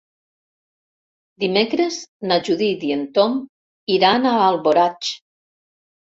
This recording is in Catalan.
Dimecres na Judit i en Tom iran a Alboraig.